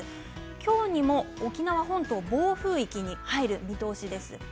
今日にも沖縄本島暴風域に入る見通しです。